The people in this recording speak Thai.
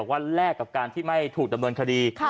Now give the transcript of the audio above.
วันแรกกับการที่ไม่ถูกดำเนินคดี